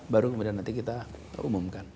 baru nanti kita umumkan